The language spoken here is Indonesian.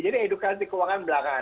jadi edukasi keuangan belakangan